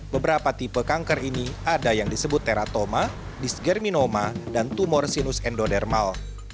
beberapa tipe kanker ini ada yang disebut teratoma disgerminoma dan tumorsinus endodermal